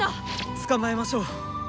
捕まえましょう。